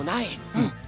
うん。